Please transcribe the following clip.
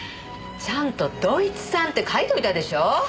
ちゃんとドイツ産って書いといたでしょう！